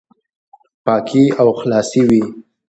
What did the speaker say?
پاکي او خلاصي وي،